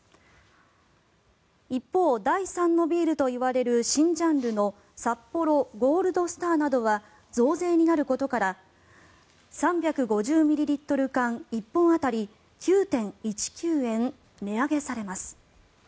一方、第３のビールといわれる新ジャンルのサッポロＧＯＬＤＳＴＡＲなどは増税になることから３５０ミリリットル缶１本当たり９．１９円値上げされます。